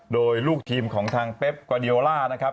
โดยลูกทีมของทางเป๊บกวาเดียวล่านะครับ